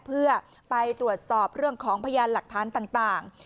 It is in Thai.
เพื่อไปตรวจสอบเรื่องของพยานหลักฐานต่าง